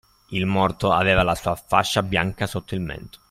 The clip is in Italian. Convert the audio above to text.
Il morto aveva la sua fascia bianca sotto il mento.